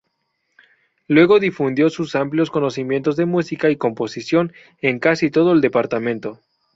Luego difundió sus amplios conocimientos de música y composición en casi todo el departamento.